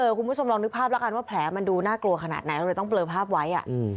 คุณผู้ชมลองนึกภาพแล้วกันว่าแผลมันดูน่ากลัวขนาดไหนเราเลยต้องเลอภาพไว้